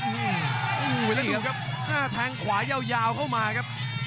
ดูครับแทงขวาเยาวเข้ามาครับ